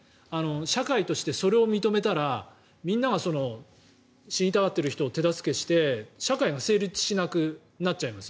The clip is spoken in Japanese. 社会としてそれを認めたらみんなが死にたがっている人を手助けして社会が成立しなくなっちゃいます